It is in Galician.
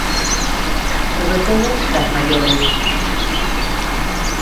Sobre todo, das maiores.